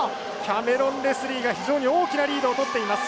キャメロン・レスリーが非常に大きなリードをとっています。